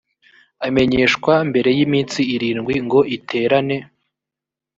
amenyeshwa mbere y’iminsi irindwi ngo iterane